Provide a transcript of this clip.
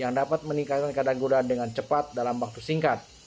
yang dapat meningkatkan kadar guna dengan cepat dalam waktu singkat